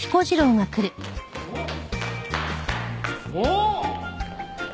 おっ。